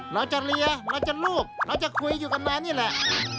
เราจะเรียนเราจะลูกเราจะคุยอยู่กันมานี่แหละ